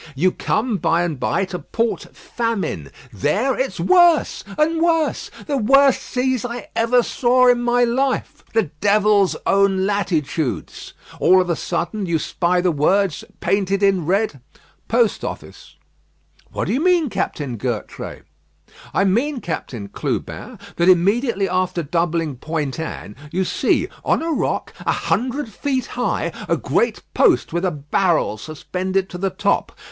You come, by and by, to Port Famine. There it's worse and worse. The worst seas I ever saw in my life. The devil's own latitudes. All of a sudden you spy the words, painted in red, 'Post Office.'" "What do you mean, Captain Gertrais?" "I mean, Captain Clubin, that immediately after doubling Point Anne you see, on a rock, a hundred feet high, a great post with a barrel suspended to the top.